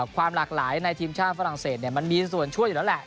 ความหลากหลายในทีมชาติฝรั่งเศสมันมีส่วนช่วยอยู่แล้วแหละ